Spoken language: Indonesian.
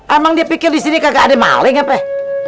emang dia pikir disini gak ada maling ya preh